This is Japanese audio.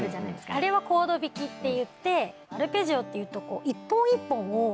あれはコード弾きっていってアルペジオっていうと。